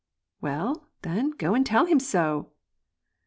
" Well, then, go and tell him so